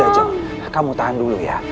ajang kamu tahan dulu ya